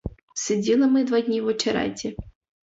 Сиділи ми два дні в очереті.